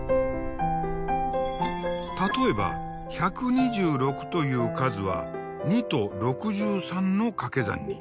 例えば１２６という数は２と６３のかけ算に。